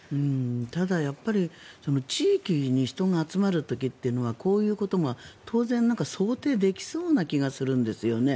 ただ、地域に人が集まる時というのはこういうことが当然、想定できそうな気がするんですよね。